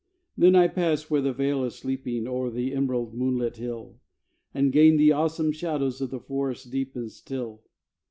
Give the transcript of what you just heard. Then I pass where the vale is sleeping, O'er the emerald moonlit hill, And gain the awesome shadows Of the forest deep and still.